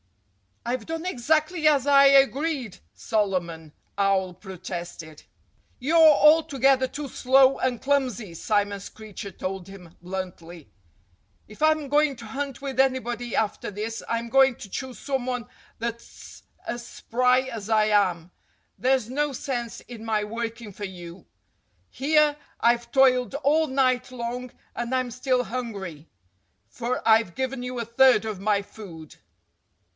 "I've done exactly as I agreed!" Solomon Owl protested. "You're altogether too slow and clumsy," Simon Screecher told him bluntly. "If I'm going to hunt with anybody after this I'm going to choose someone that's as spry as I am. There's no sense in my working for you. Here I've toiled all night long and I'm still hungry, for I've given you a third of my food."